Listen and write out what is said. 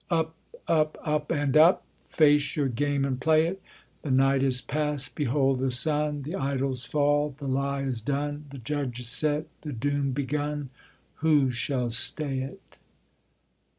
Up, up, up and up! Face your game and play it! The night is past, behold the sun! The idols fall, the lie is done! The Judge is set, the doom begun! Who shall stay it?